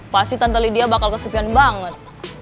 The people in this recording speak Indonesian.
pasti tante lidia bakal kesepian banget